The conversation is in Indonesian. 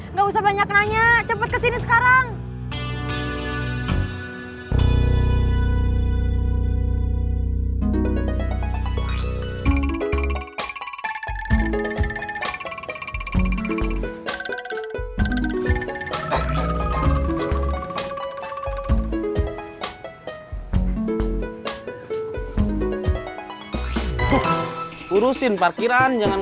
nggak usah banyak nanya cepet kesini sekarang